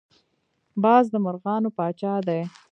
باز د مرغانو پاچا دی